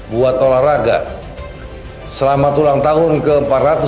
buat olahraga selamat ulang tahun ke empat ratus sembilan puluh enam kota jakarta tercinta